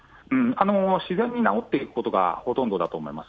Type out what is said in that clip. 自然に治っていくことがほとんどだと思います。